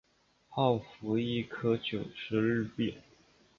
泡芙一颗九十日币